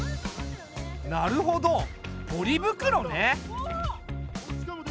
なるほどポリ袋ね。